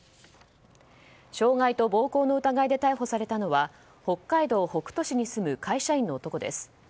傷害と暴行の疑いで逮捕されたのは北海道北斗市に住む会社員の男です。